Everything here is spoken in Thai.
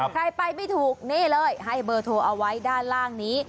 ใครไปไม่ถูกนี่เลยให้เบอร์โทรเอาไว้ด้านล่างนี้